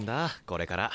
これから。